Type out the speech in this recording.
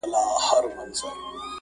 یوې کوچنۍ غلطفهمۍ